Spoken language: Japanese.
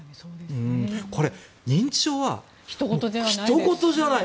認知症はひと事じゃない。